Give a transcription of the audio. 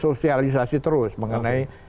sosialisasi terus mengenai